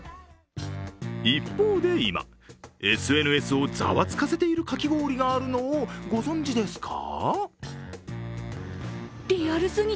一方で、今、ＳＮＳをざわつかせているかき氷があるのをご存じですか？